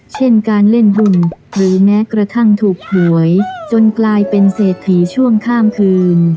เช่นการเล่นบุญหรือแม้กระทั่งถูกหวยจนกลายเป็นเศรษฐีช่วงข้ามคืน